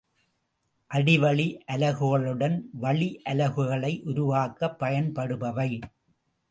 அடிவழி அலகுகளுடன் வழியலகுகளை உருவாக்கப் பயன்படுபவை.